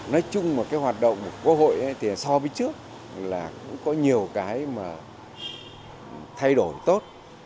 nói chung mà cái hoạt động của quốc hội thì so với trước là cũng có nhiều cái mà thay đổi tốt